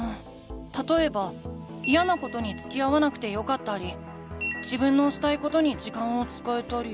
たとえばイヤなことにつきあわなくてよかったり自分のしたいことに時間を使えたり。